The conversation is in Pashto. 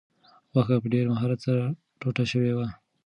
غوښه په ډېر مهارت سره ټوټه شوې وه.